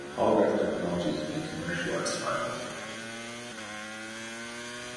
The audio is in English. Holograph technology is being commercialized finally.